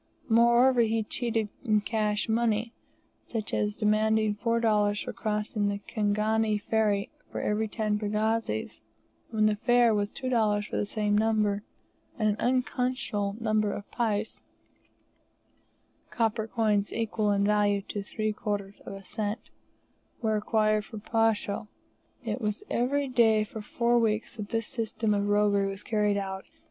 Moreover, he cheated in cash money, such as demanding $4 for crossing the Kingani Ferry for every ten pagazis, when the fare was $2 for the same number; and an unconscionable number of pice (copper coins equal in value to 3/4 of a cent) were required for posho. It was every day for four weeks that this system of roguery was carried out.